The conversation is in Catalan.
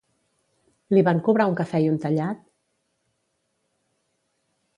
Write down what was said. Li van cobrar un cafè i un tallat?